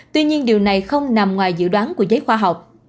tuy nhiên điều này không nằm ngoài dự đoán của giới khoa học